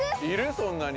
そんなに。